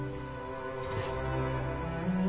うん。